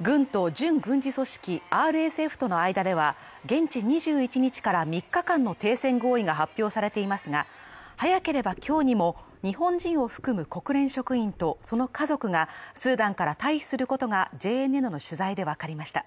軍と準軍事組織ＲＳＦとの間では現地２１日から３日間の停戦合意が発表されていますが、早ければ今日にも日本人を含む国連職員とその家族がスーダンから退避することがＪＮＮの取材で分かりました。